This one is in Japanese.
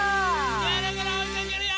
ぐるぐるおいかけるよ！